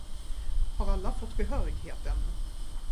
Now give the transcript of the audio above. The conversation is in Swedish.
Har alla fått behörighet ännu?